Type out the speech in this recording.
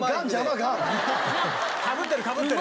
かぶってるかぶってる！